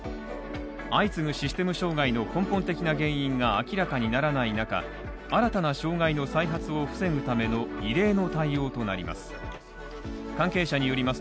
相次ぐシステム障害の根本的な原因が明らかにならない中新たな障害の再発を防ぐための異例の対応となります